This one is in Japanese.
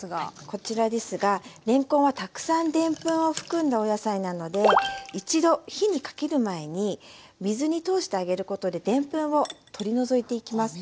こちらですがれんこんはたくさんでんぷんを含んだお野菜なので一度火にかける前に水に通してあげることででんぷんを取り除いていきます。